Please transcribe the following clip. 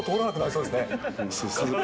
そうっすね。